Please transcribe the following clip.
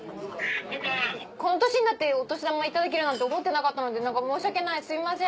この年になってお年玉頂けるなんて思ってなかったので何か申し訳ないすいません